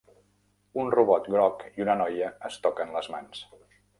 Un robot groc i una noia es toquen les mans.